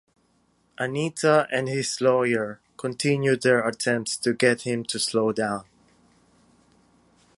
Anita and his lawyer continue their attempts to get him to slow down.